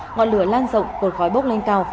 ngọn lửa lan rộng cột khói bốc lên cao